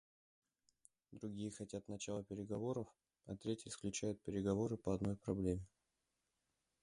Другие хотят начала переговоров, а третьи исключают переговоры по одной проблеме.